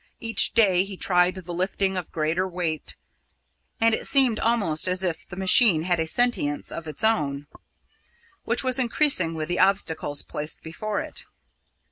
Each day he tried the lifting of greater weight, and it seemed almost as if the machine had a sentience of its own, which was increasing with the obstacles placed before it.